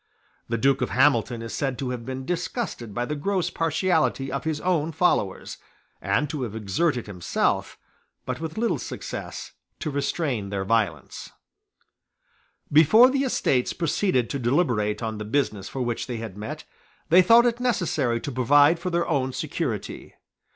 The Duke of Hamilton is said to have been disgusted by the gross partiality of his own followers, and to have exerted himself, with but little success, to restrain their violence, Before the Estates proceeded to deliberate on the business for which they had met, they thought it necessary to provide for their own security.